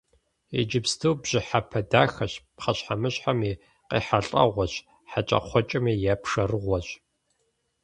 Иджыпсту бжьыхьэпэ дахэщ, пхъэщхьэмыщхьэм и къехьэлӀэгъуэщ, хьэкӀэкхъуэкӀэми я пшэрыгъуэщ.